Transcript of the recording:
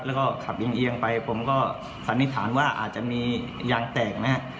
แล้วก็ขับเอียงไปผมก็สันนิษฐานว่าอาจจะมียางแตกนะฮะ